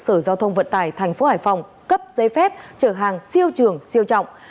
sở giao thông vận tài thành phố hải phòng cấp giấy phép chở hàng siêu trường siêu trọng